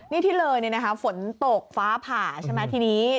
นี่ที่เลยฝนตกฟ้าผ่าใช่ไหมทีนี้